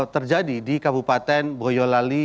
terjadi di kabupaten temanggung hingga wonosobo dan menurut